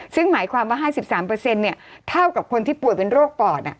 ซึ่งหมายความว่า๕๓เท่ากับคนที่ป่วยเป็นโรคปอด